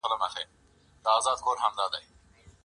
د زهرجنو توکو معاینه څنګه کیږي؟